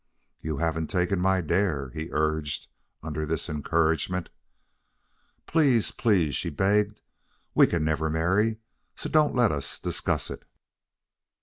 "You haven't taken my dare," he urged under this encouragement. "Please, please," she begged. "We can never marry, so don't let us discuss it."